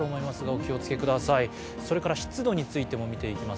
湿度についても見ていきます。